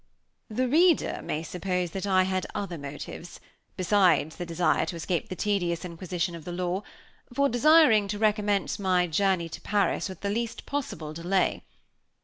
The reader may suppose that I had other motives, beside the desire to escape the tedious inquisition of the law, for desiring to recommence my journey to Paris with the least possible delay.